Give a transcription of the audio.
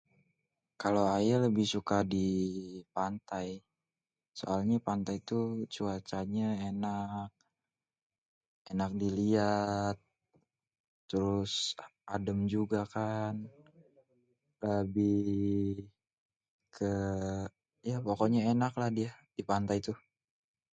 kalo ayé lebih suka di pantai, soalnye pantai tuh cuacanya enak, enak di liat terus adem jugakan, eee lebih ke ya pokonye enak lah dieh di pantai ituh.